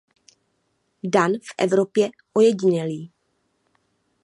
Dan v Evropě ojedinělý.